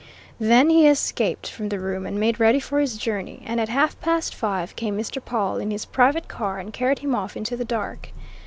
Then he escaped from the room and made ready for his journey; and at half past five came Mr. Pawle in his private car and carried him off into the dark.